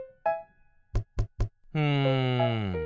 うん。